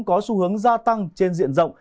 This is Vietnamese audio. có xu hướng gia tăng trên diện rộng